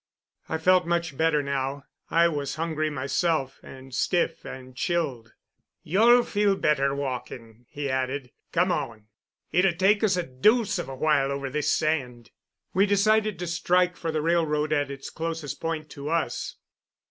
I felt much better now. I was hungry myself, and stiff, and chilled. "You'll feel better walking," he added. "Come on. It'll take us a deuce of a while over this sand." We decided to strike for the railroad at its closest point to us.